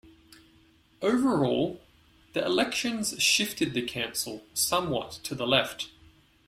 Over all, the elections shifted the council somewhat to the left.